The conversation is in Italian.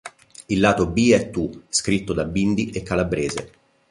Il lato B è "Tu" scritto da Bindi e Calabrese.